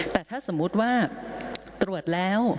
แต่ถ้าสมมุติว่าตรวจแล้ว